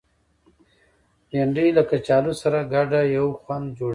بېنډۍ له کچالو سره ګډه یو خوند جوړوي